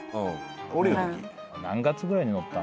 何月ぐらいに乗ったの？